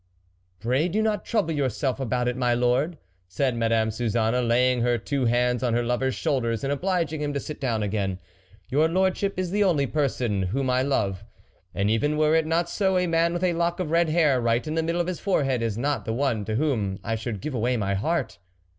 Pray do not trouble yourself about it, my lord," said Madame Suzanne, laying her two hands on her lover's shoulders, and obliging him to sit down again, " your lordship is the only person whom I love, THE WOLF LEADER and even were it not so, a man with a lock of red hair right in the middle of his fore head is not the one to v/hom I should give away my heart."